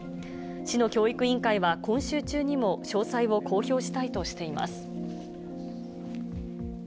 市の教育委員会は、今週中にも詳細を公表したいとしています。